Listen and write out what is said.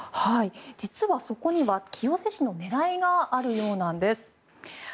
実はそこには清瀬市の狙いがあるようなんです。